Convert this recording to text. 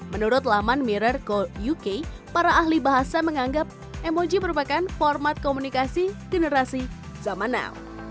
menurut laman mirror code uk para ahli bahasa menganggap emoji merupakan format komunikasi generasi zaman now